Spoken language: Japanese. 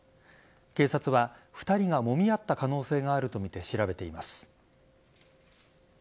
警察は、２人がもみ合った可能性があるとみて調べています。